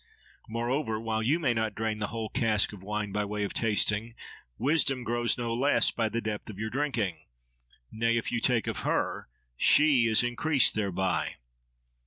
Moreover, while you may not drain the whole cask of wine by way of tasting, Wisdom grows no less by the depth of your drinking. Nay! if you take of her, she is increased thereby.